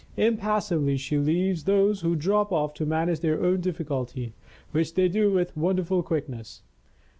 Impassively, she leaves those who drop off to manage their own difficulty, which they do with wonderful quickness.